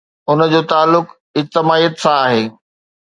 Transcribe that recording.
ان جو تعلق اجتماعيت سان آهي.